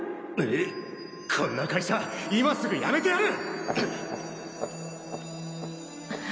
こんな会社今すぐ辞めてやる！